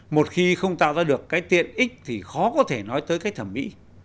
một khi không tạo ra được cái tiện ích thì khó có thể nói tới cái thẩm mỹ